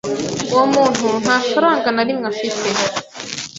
Uwo muntu nta faranga na rimwe afite.